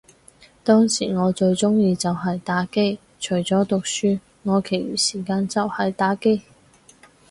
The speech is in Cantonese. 當時我最鍾意就係打機，除咗讀書，我其餘時間就係打機